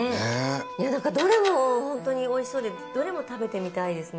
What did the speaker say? いやなんかどれもホントにおいしそうでどれも食べてみたいですね。